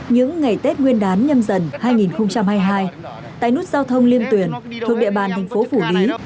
những ngày tết nguyên đán nhâm dần hai nghìn hai mươi hai tại nút giao thông liên tuyển thuộc địa bàn thành phố phủ lý